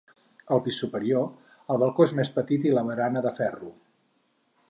Al pis superior el balcó és més petit i la barana de ferro.